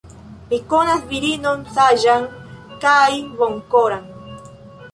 Mi konas virinon saĝan kaj bonkoran.